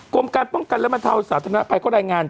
กรมการป้องกันและมะเทาสาธินภาคภัยก็ได้งาน